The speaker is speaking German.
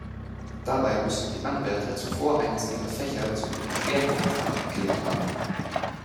Dabei müssen die Anwärter zuvor eines ihrer Fächer zu ihrem „Schwerpunktfach“ erklärt haben.